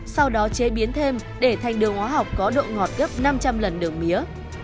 sau đó chế biến thêm để thành đường hóa học có độ ngọt gấp năm trăm linh lần đường mía